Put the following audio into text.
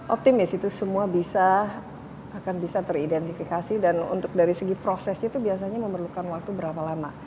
optimis itu semua bisa akan bisa teridentifikasi dan untuk dari segi prosesnya itu biasanya memerlukan waktu berapa lama